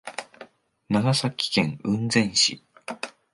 長崎県雲仙市